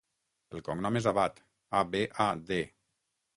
El cognom és Abad: a, be, a, de.